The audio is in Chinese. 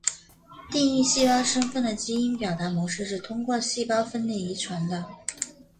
定义细胞身份的基因表达模式是通过细胞分裂遗传的。